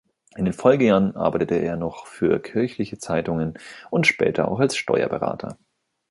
In den Folgejahren arbeitete er noch für kirchliche Zeitungen und später auch als Steuerberater.